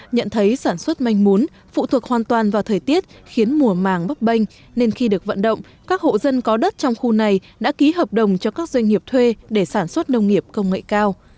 nhận thấy sản xuất manh mún phụ thuộc hoàn toàn vào thời tiết khiến mùa màng bắp bênh nên khi được vận động các hộ dân có đất trong khu này đã ký hợp đồng cho các doanh nghiệp thuê để sản xuất nông nghiệp công nghệ cao